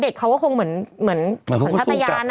เด็กเขาก็คงเหมือนท่าตายาน